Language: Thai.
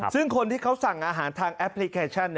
ซึ่งคนที่เขาสั่งอาหารทางแอปพลิเคชัน